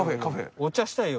お茶したいよ。